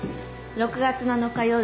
「６月７日夜。